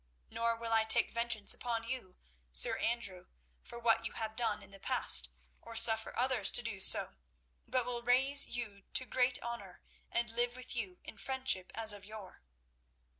Nor will I take vengeance upon you, Sir Andrew, for what you have done in the past, or suffer others to do so, but will rather raise you to great honour and live with you in friendship as of yore.